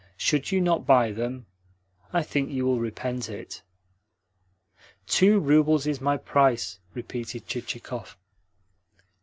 Should you not buy them, I think you will repent it." "Two roubles is my price," repeated Chichikov.